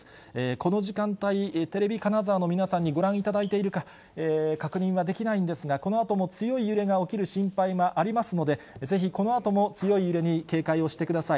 この時間帯、テレビ金沢の皆さんにご覧いただいているか、確認はできないんですが、このあとも強い揺れが起きる心配がありますので、ぜひこのあとも強い揺れに警戒をしてください。